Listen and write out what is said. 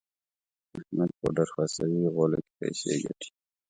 احمد پوډر خرڅوي غولو کې پیسې ګټي.